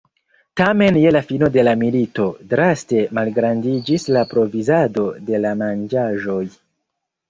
Tamen je la fino de la milito draste malgrandiĝis la provizado de la manĝaĵoj.